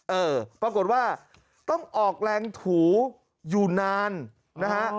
เออปรากฏว่าต้องออกแรงถูอยู่นานนะฮะ